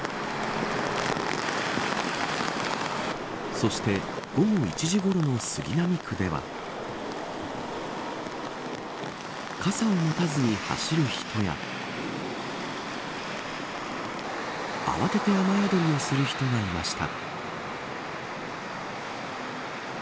そして午後１時ごろの杉並区では傘を持たずに走る人や慌てて雨宿りをする人がいました。